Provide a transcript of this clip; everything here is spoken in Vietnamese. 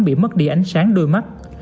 bị mất đi ánh sáng đôi mắt